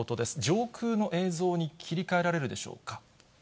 上空の映像に切り替えられるでしょうか。